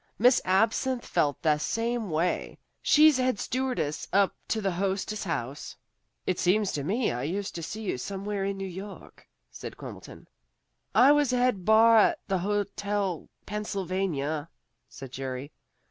Miss Absinthe felt the same way. She's head stewardess up to the Hostess House." "It seems to me I used to see you somewhere in New York," said Quimbleton. "I was head bar at the Hotel Pennsylvania," said Jerry.